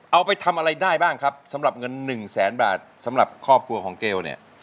เอาไปทำอะไรได้บ้างครับสำหรับเงินหนึ่งแสนบาทสำหรับครอบครัวของเกลเนี่ย